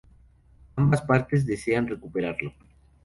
Ambas partes desean recuperarlo.